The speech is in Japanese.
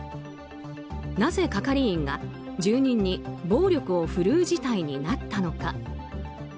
なぜ係員が住人に暴力をふるう事態になったのか。